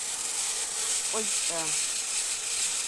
ФӀыкӀэ…